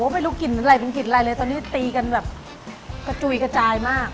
ไม่รู้กลิ่นเหมือนไรเป็นกลิ่นอะไรเลยตอนนี้ตีกันแบบกระจุยกระจายมาก